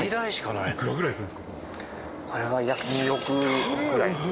これは約２億ぐらい。